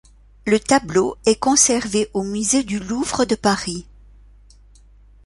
Le tableau est conservé au Musée du Louvre de Paris.